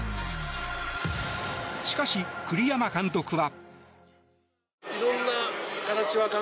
しかし、栗山監督は。